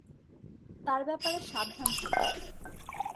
তার ব্যাপারে সাবধান থাকবেন।